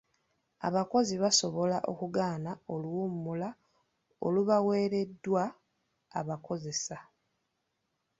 Abakozi basobola okugaana oluwummula olubaweereddwa abakozesa.